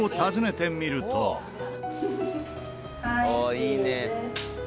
「」いいね！